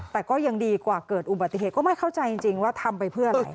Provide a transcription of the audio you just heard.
แต่ก็ยังดีกว่าเกิดอุบัติเหตุก็ไม่เข้าใจจริงว่าทำไปเพื่ออะไร